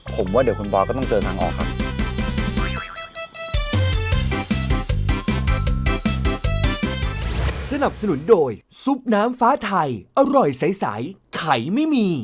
ผมว่าเดี๋ยวคุณบอยก็ต้องเดินทางออกครับ